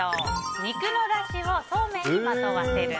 肉の出汁をそうめんにまとわせる。